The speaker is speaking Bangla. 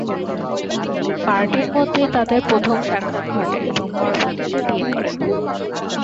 পার্টির মধ্যেই তাদের প্রথম সাক্ষাৎ ঘটে এবং পরবর্তীতে বিয়ে করেন।